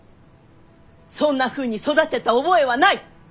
そんなふうに育てた覚えはない！